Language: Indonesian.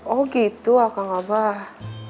oh gitu akang abah